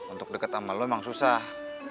untuk deket sama lo emang susah